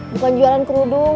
bukan jualan kerudung